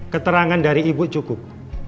keterangan dari ibu cukup